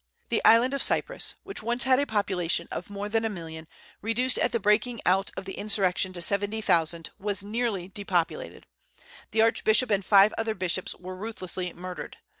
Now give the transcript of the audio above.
The Island of Cyprus, which once had a population of more than a million, reduced at the breaking out of the insurrection to seventy thousand, was nearly depopulated; the archbishop and five other bishops were ruthlessly murdered.